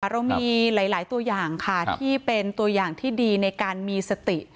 เรามีหลายตัวอย่างค่ะที่เป็นตัวอย่างที่ดีในการมีสติ